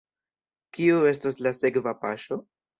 Kiu estos la sekva paŝo?